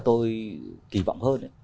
tôi kỳ vọng hơn